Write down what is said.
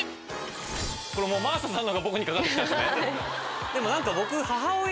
これもう真麻さんのが僕にかかってきたんですね。